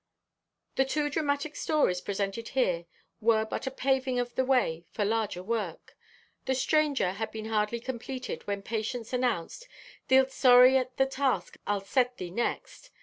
The two dramatic stories presented here were but a paving of the way for larger work. "The Stranger" had been hardly completed when Patience announced, "Thee'lt sorry at the task I set thee next."